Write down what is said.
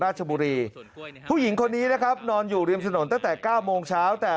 ไม่มีญาติพี่น้องที่ไหนมีเพียงลูกสาวอายุ๑๗ปีนะครับ